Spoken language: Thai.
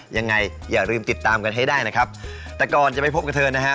อย่าลืมติดตามกันให้ได้นะครับแต่ก่อนจะไปพบกับเธอนะฮะ